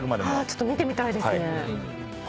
ちょっと見てみたいですね。